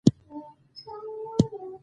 افغانستان د ښارونه لپاره مشهور دی.